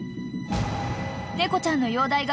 ［猫ちゃんの］